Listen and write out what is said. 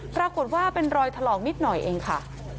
ปรากฏว่าเป็นรอยถลอกนิดหน่อยเองค่ะ